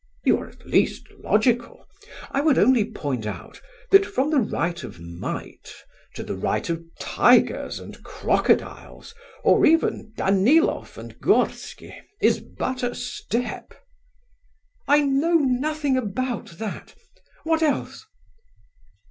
"You are at least logical. I would only point out that from the right of might, to the right of tigers and crocodiles, or even Daniloff and Gorsky, is but a step." "I know nothing about that; what else?"